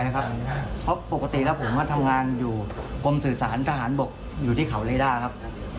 แล้วหัวเราอะไรไปทำอะไรมาผมยังไม่ทราบเลยครับ